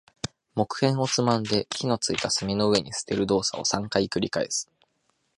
木片をつまんで、火の付いた炭の上に捨てる動作を三回繰り返す。